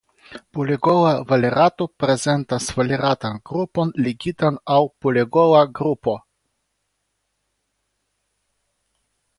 Pulegola valerato prezentas valeratan grupon ligitan al pulegola grupo.